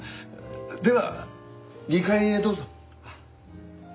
では２階へどうぞ。